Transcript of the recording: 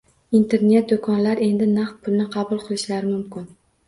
Internet -do'konlar endi naqd pulni qabul qilishlari mumkin